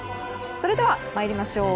それでは、参りましょう。